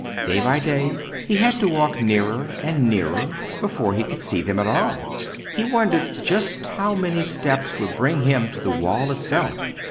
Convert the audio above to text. Day by day he had to walk nearer and nearer before he could see them at all. He wondered just how many steps would bring him to the wall itself.